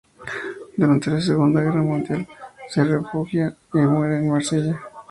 Durante la Segunda Guerra Mundial se refugia y muere en Marsella.